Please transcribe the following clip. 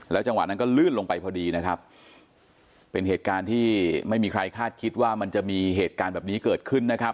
จังหวะนั้นก็ลื่นลงไปพอดีนะครับเป็นเหตุการณ์ที่ไม่มีใครคาดคิดว่ามันจะมีเหตุการณ์แบบนี้เกิดขึ้นนะครับ